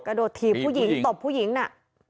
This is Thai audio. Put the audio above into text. โดดถีบผู้หญิงตบผู้หญิงน่ะ